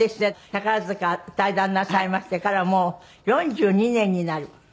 宝塚退団なさいましてからもう４２年になる。